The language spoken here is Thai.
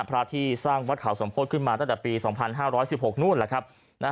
พระที่สร้างวัดเขาสมโพธิขึ้นมาตั้งแต่ปี๒๕๑๖นู่นแหละครับ